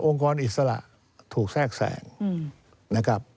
กรอิสระถูกแทรกแสงนะครับ